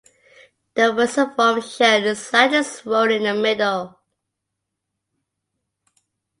The fusiform shell is slightly swollen in the middle.